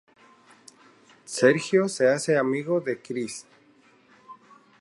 Sergio se hace amigo de Cris.